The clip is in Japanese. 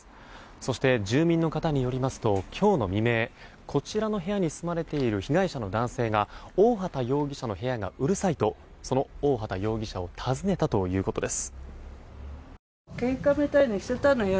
そして、住民の方によりますと今日の未明こちらの部屋に住まれている被害者の男性が大畑容疑者の部屋がうるさいとその大畑容疑者を訪ねたとということです。